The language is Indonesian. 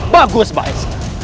bagus pak eskar